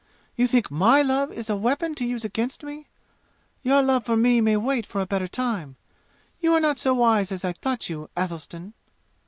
You think my love is a weapon to use against me? Your love for me may wait for a better time? You are not so wise as I thought you, Athelstan!"